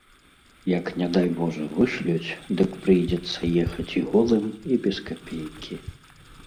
Як не дай божа вышлюць, дык прыйдзецца ехаць і голым і без капейкі.